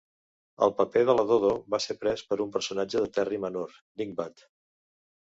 El paper de la do-do va ser pres per un personatge de Terry menor, Dingbat.